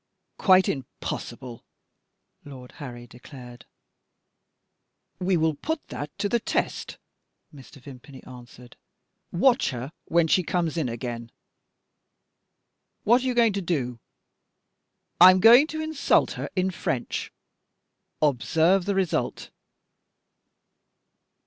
"Quite impossible," Lord Harry declared. "We will put that to the test," Mr. Vimpany answered. "Watch her when she comes in again." "What are you going to do." "I am going to insult her in French. Observe the result."